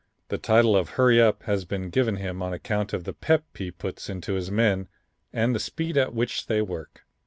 The title of "Hurry Up" has been given him on account of the "pep" he puts into his men and the speed at which they work.